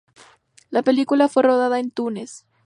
La película fue rodada en Túnez.